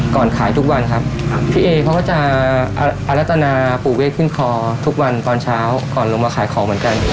ก่อนขายทุกวันครับ